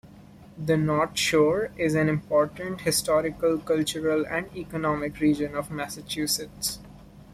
The North Shore is an important historical, cultural, and economic region of Massachusetts.